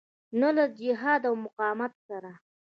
نه له جهاد او مقاومت سره.